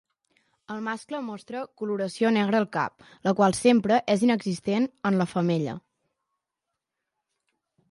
El mascle mostra coloració negra al cap, la qual sempre és inexistent en la femella.